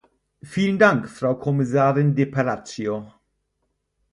Vielen Dank, Frau Kommissarin de Palacio!